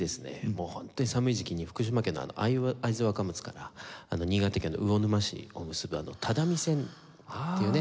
ホントに寒い時期に福島県の会津若松から新潟県の魚沼市を結ぶ只見線っていうね